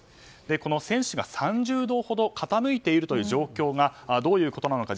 この船首が３０度ほど傾いているという状況がどういうことなのか。